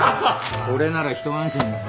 それならひと安心だ。